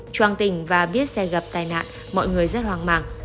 trong tỉnh và biết xe gặp tai nạn mọi người rất hoang mạng